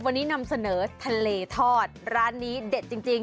วันนี้นำเสนอทะเลทอดร้านนี้เด็ดจริงจริง